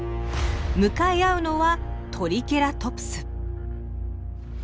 向かい合うのはトリケラトプス。